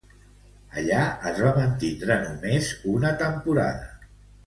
Allà es va mantindre només una temporada.